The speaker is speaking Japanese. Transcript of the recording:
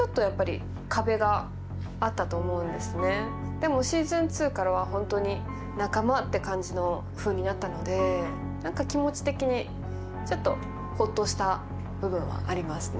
でも「Ｓｅａｓｏｎ２」からは本当に仲間って感じのふうになったので何か気持ち的にちょっとホッとした部分はありますね。